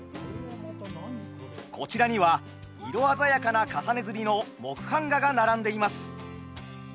こちらには色鮮やかな重ね刷りの木版画が並んでいます。